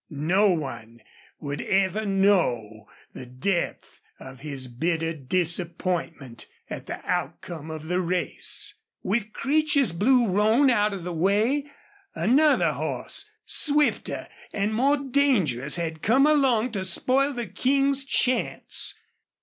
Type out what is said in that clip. No one would ever know the depth of his bitter disappointment at the outcome of the race. With Creech's Blue Roan out of the way, another horse, swifter and more dangerous, had come along to spoil the King's chance.